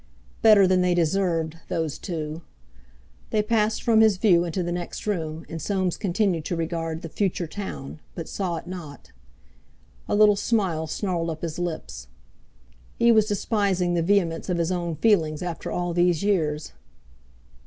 Better than they deserved—those two! They passed from his view into the next room, and Soames continued to regard the Future Town, but saw it not. A little smile snarled up his lips. He was despising the vehemence of his own feelings after all these years.